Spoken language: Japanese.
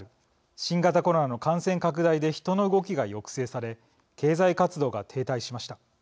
新型コロナの感染拡大で人の動きが抑制され経済活動が停滞しました。